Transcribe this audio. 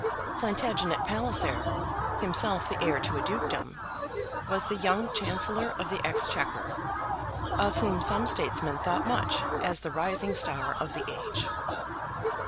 Plantagenet Palliser, himself the heir to a dukedom, was the young Chancellor of the Exchequer, of whom some statesmen thought much as the rising star of the age.